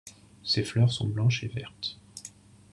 Ses fleurs sont blanches et vertes.